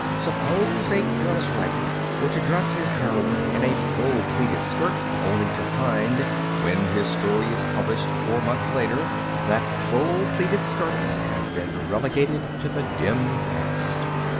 Suppose a careless writer were to dress his heroine in a full plaited skirt only to find, when his story is published four months later, that full plaited skirts have been relegated to the dim past!